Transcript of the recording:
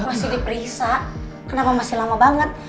masih diperiksa kenapa masih lama banget